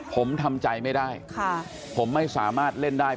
ผมทำใจไม่ได้ผมไม่สามารถเล่นได้